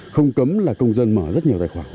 không cấm là công dân mở rất nhiều tài khoản